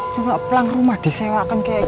cuma pelang rumah disewakan kayak gini